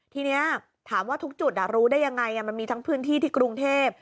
ทีนี้ถามว่าทุกจุดรู้ได้ยังไงมันมีทั้งพื้นที่ที่กรุงเทพ